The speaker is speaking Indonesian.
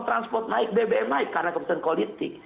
transport naik bbm naik karena keputusan politik